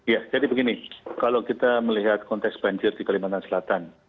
ya jadi begini kalau kita melihat konteks banjir di kalimantan selatan